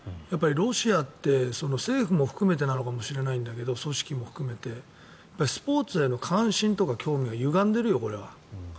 ロシアって政府も含めてなのかもしれないんだけど組織も含めてスポーツへの関心とか興味がゆがんでるよ、これは。